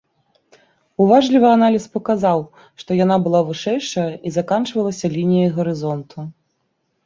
Уважлівы аналіз паказаў, што яна была вышэйшая і заканчвалася лініяй гарызонту.